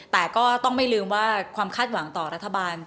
แต่ก็ต้องไม่ลืมว่าความคาดหวังต่อรัฐบาล